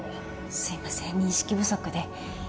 すいません認識不足で。